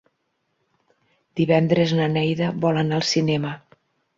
Divendres na Neida vol anar al cinema.